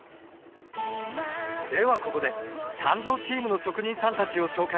ではここで鍛造チームの職人さんたちを紹介しよう。